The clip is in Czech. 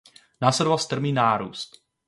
Následoval strmý nárůst.